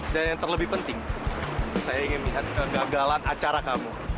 dan yang terlebih penting saya ingin melihat kegagalan acara kamu